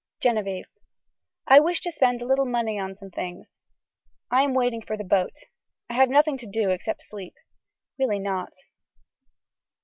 (Genevieve.) I wish to spend a little money on some things. I am waiting for the boat. I have nothing to do except sleep. Really not.